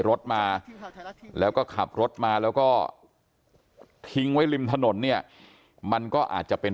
รถมาแล้วก็ขับรถมาแล้วก็ทิ้งไว้ริมถนนเนี่ยมันก็อาจจะเป็น